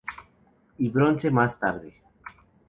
Y Bronce más tarde.